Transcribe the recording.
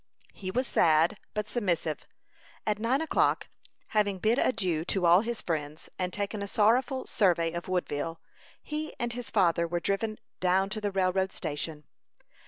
He was sad, but submissive. At nine o'clock, having bid adieu to all his friends, and taken a sorrowful survey of Woodville, he and his father were driven down to the railroad station.